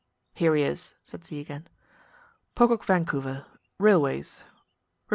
"Here he is," said Z again. "Pocock Vancouver. Railways. Rep.